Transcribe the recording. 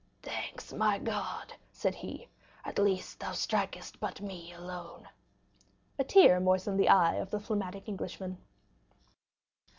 "Thanks, my God," said he, "at least thou strikest but me alone." A tear moistened the eye of the phlegmatic Englishman.